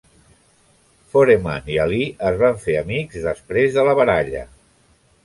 Foreman i Ali es van fer amics després de la baralla.